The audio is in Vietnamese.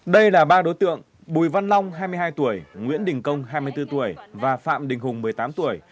đây là ba đối tượng bùi văn long hai mươi hai tuổi nguyễn đình công hai mươi bốn tuổi và phạm đình hùng một mươi tám tuổi